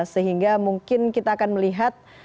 sehingga mungkin kita akan melihat